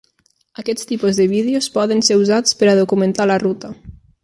Aquest tipus de vídeos poden ser usats per a documentar la ruta.